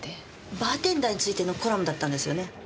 バーテンダーについてのコラムだったんですよね？